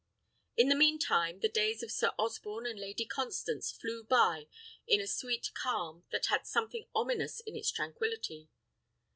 In the mean time, the days of Sir Osborne and Lady Constance flew by in a sweet calm, that had something ominous in its tranquillity.